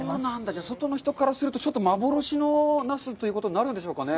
じゃあ、外の人からするとちょっと幻のナスということになるんでしょうかね。